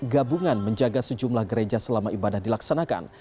gabungan menjaga sejumlah gereja selama ibadah dilaksanakan